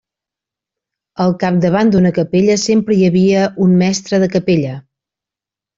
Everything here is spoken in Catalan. Al capdavant d'una capella sempre hi havia un mestre de capella.